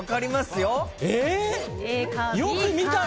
よく見たら！？